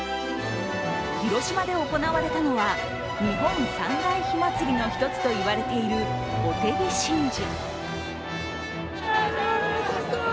広島で行われたのは日本三大火祭の一つと言われているお手火神事。